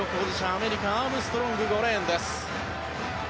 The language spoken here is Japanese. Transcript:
アメリカ、アームストロング５レーンです。